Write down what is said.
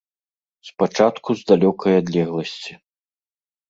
Спачатку з далёкай адлегласці.